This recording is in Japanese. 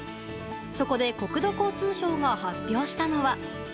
そこで国土交通省が発表したのは。